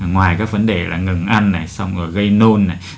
ngoài các vấn đề là ngừng ăn này xong rồi gây nôn này